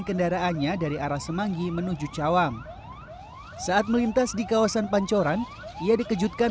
kendaraannya dari arah semanggi menuju cawang saat melintas di kawasan pancoran ia dikejutkan